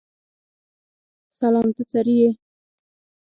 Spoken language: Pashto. سلام ته څرې یې؟